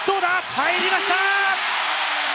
入りました！